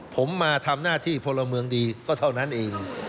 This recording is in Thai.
ผมมาทำหน้าที่พลเมืองดีก็เท่านั้นเอง